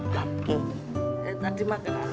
kami juga mencari jalan untuk mencari jalan